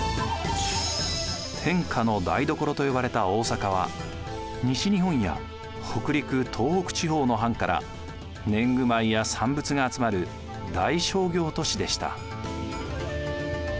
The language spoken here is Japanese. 天下の台所と呼ばれた大坂は西日本や北陸東北地方の藩から年貢米や産物が集まる大商業都市でした。